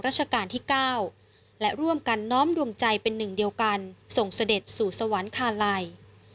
ราชการที่๙และร่วมกันน้อมดวงใจเป็นหนึ่งเดียวกันส่งเสด็จสู่สวรรคาลัย